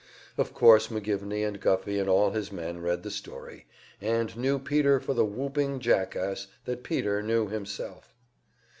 Of course McGivney and Guffey and all his men read the story, and knew Peter for the whooping jackass that Peter knew himself.